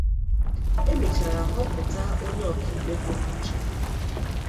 E mechara họpụta onye ọkaikpe pụrụ ịche